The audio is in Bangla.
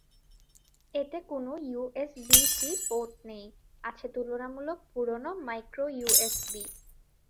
এতে কোন ইউএসবি-সি পোর্ট নেই, আছে তুলনামূলক পুরোনো মাইক্রোইউএসবি।